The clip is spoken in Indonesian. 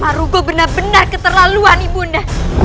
marugo benar benar keterlaluan ibunya